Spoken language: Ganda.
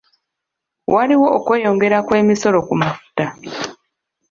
Waliwo okweyongera kw'emisolo ku mafuta.